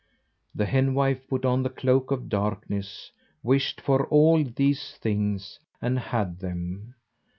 The henwife put on the cloak of darkness, wished for all these things, and had them.